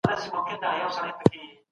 خبري اتري د دښمنيو په کمولو کي مرسته کوي.